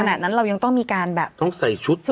ขนาดนั้นเรายังต้องมีการแบบต้องใส่ชุด